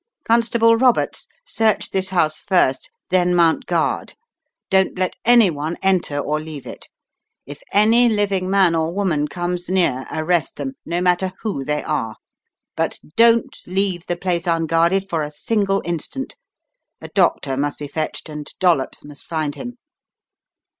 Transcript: Con stable Roberts, search this house first, then mount guard. Don't let any one enter or leave it. If any living man or woman comes near, arrest them, no matter who they are. But don't leave the place unguarded for a single instant. A doctor must be fetched and Dollops must find him.